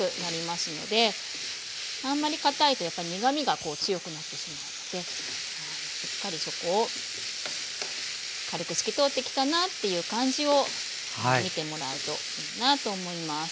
あんまりかたいとやっぱり苦みが強くなってしまうのでしっかりそこを軽く透き通ってきたなという感じを見てもらうといいなと思います。